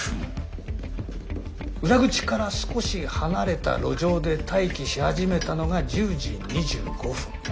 裏口から少し離れた路上で待機し始めたのが１０時２５分。